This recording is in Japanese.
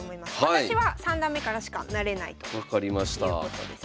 私は三段目からしか成れないということです。